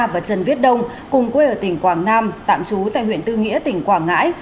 và trần viết đông cùng quê ở tỉnh quảng nam tạm trú tại huyện tư nghĩa tỉnh quảng ngãi